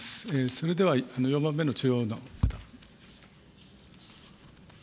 それでは４番目の中央の方。